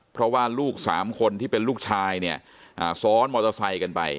เพราะว่าลูก๓คนที่เป็นลูกชายเนี่ยซ้อนมอเตอร์ไซค์กันไป